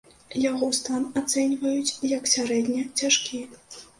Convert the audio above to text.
Яго стан ацэньваюць як сярэдне цяжкі.